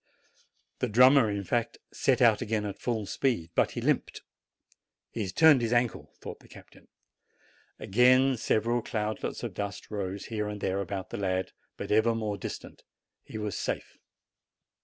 The drummer, in fact, set out again at full speed; but he limped. "He has turned his ankle," thought the captain. Again several cloudlets of dust rose here and there about the lad, but ever more distant. He was safe.